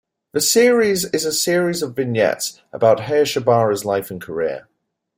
The series is a series of vignettes about Hayashibara's life and career.